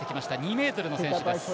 ２ｍの選手です。